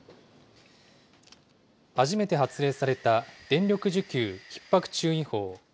初めて発令された電力需給ひっ迫注意報。